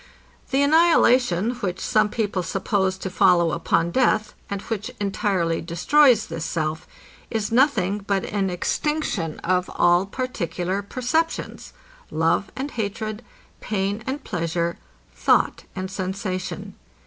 The annihilation, which some people suppose to follow upon death, and which entirely destroys this self, is nothing but an extinction of all particular perceptions; love and hatred, pain and pleasure, thought and sensation.